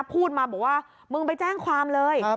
พูดมาบอกว่ามึงไปแจ้งความเลย